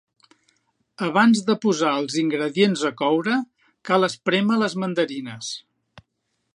Abans de posar els ingredients a coure, cal esprémer les mandarines.